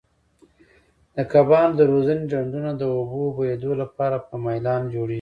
د کبانو د روزنې ډنډونه د اوبو بهېدو لپاره په میلان جوړیږي.